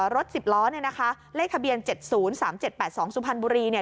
รถ๑๐ล้อเนี่ยนะคะเลขทะเบียน๗๐๓๗๘๒สุพรรณบุรีเนี่ย